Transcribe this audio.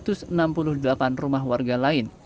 satu ratus enam puluh delapan rumah warga lain